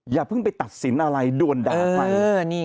อย่าเพิ่งไปตัดสินอะไรด่วนด่าไป